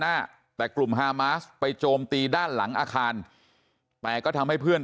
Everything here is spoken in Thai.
หน้าแต่กลุ่มฮามาสไปโจมตีด้านหลังอาคารแต่ก็ทำให้เพื่อน